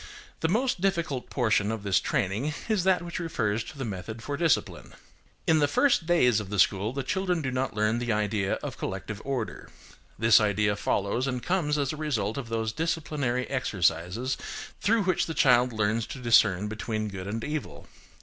The most difficult portion of this training is that which refers to the method for discipline. In the first days of the school the children do not learn the idea of collective order; this idea follows and comes as a result of those disciplinary exercises through which the child learns to discern between good and evil.